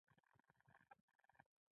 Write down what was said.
ښه نو نن خو سفر هم ځنډېدلی.